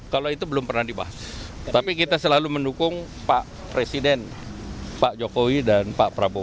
kalau itu belum pernah dibahas tapi kita selalu mendukung pak presiden pak jokowi dan pak prabowo